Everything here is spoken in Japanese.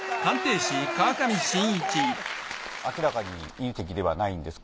明らかに隕石ではないんです。